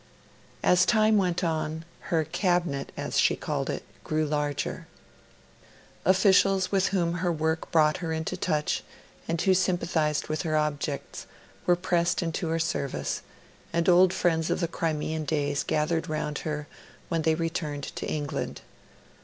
As time went on, her 'Cabinet', as she called it, grew larger. Officials with whom her work brought her into touch and who sympathised with her objects, were pressed into her service; and old friends of the Crimean days gathered around her when they returned to England.